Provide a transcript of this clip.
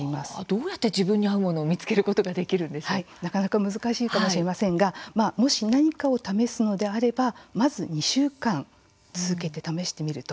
どうやって自分に合うものを見つけることがなかなか難しいかもしれませんがもし何かを試すのであればまず２週間、続けて試してみると。